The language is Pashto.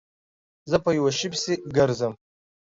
زه په یوه شي پسې گرځم